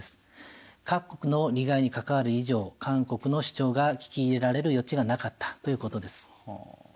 各国の利害に関わる以上韓国の主張が聞き入れられる余地がなかったということです。